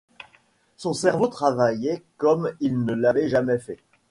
Son cerveau travaillait comme il ne l’avait jamais fait.